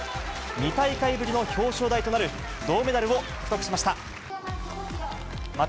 ２大会ぶりの表彰台となる銅メダルを獲得しました。